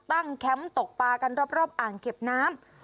แคมป์ตกปลากันรอบอ่างเก็บน้ำ